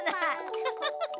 フフフフ。